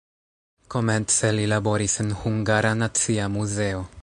Komence li laboris en Hungara Nacia Muzeo.